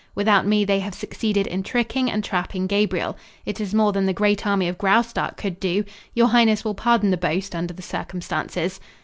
Without me they have succeeded in tricking and trapping Gabriel. It is more than the great army of Graustark could do. Your highness will pardon the boast under the circumstances?"